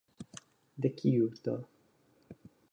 De kiu, do?